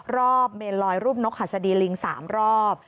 เมนลอยรูปนกหัสดีลิง๓รอบ